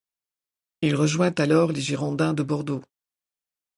Il rejoint alors les Girondins de Bordeaux.